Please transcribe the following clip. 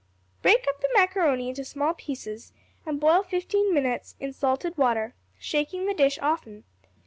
Break up the macaroni into small pieces, and boil fifteen minutes in salted water, shaking the dish often.